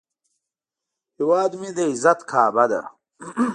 هیواد مې د عزت کعبه ده